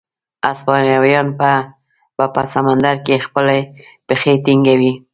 هسپانویان به په سمندرګي کې خپلې پښې ټینګوي.